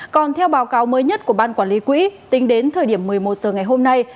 còn theo báo cáo mới nhất của ban quản lý quỹ tính đến thời điểm một mươi một giờ ngày hôm nay